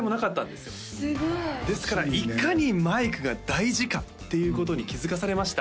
すごいですからいかにマイクが大事かっていうことに気づかされました